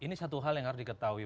ini satu hal yang harus diketahui